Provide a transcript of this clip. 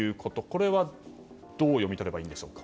これはどう読み取ればいいでしょうか？